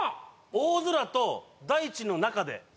「大空と大地の中で」